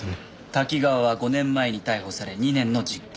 瀧川は５年前に逮捕され２年の実刑。